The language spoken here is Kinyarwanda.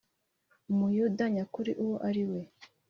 Umuyuda nyakuri uwo ari we